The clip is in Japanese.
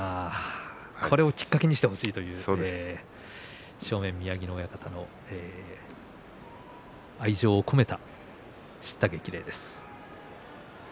これをきっかけにしてほしいという正面の宮城野親方の愛情を込めた、しった激励です。